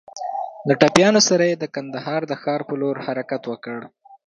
له ټپيانو سره يې د کندهار د ښار په لور حرکت وکړ.